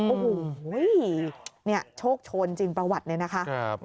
โอ้โหเนี่ยโชคโชนจริงประวัติเนี่ยนะคะ